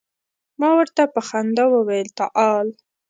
ما ورته په خندا وویل تعال.